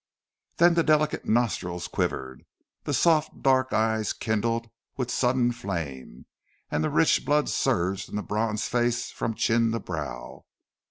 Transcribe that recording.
Then the delicate nostrils quivered, the soft dark eyes kindled with sudden flame, and the rich blood surged in the bronze face from chin to brow.